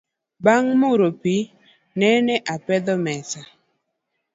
Bang muro pii nene opedho mesa